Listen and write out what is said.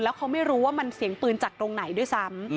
เขาไม่รู้ว่ามันเสียงปืนจากตรงไหนด้วยซ้ำ